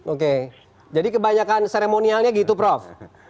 oke jadi kebanyakan seremonialnya gitu prof